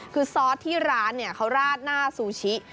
คือซอสที่ร้านเขาราดหน้าซูชิ